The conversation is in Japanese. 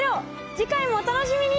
次回もお楽しみに！